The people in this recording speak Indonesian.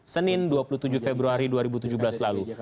senin dua puluh tujuh februari dua ribu tujuh belas lalu